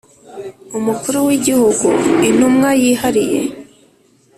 Umukuru w Igihugu Intumwa yihariye